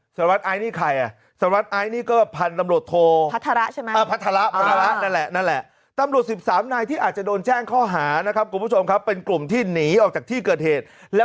สารวัตรไอ้นี่ใครอ่ะ